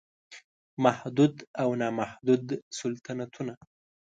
محدود او نا محدود سلطنتونه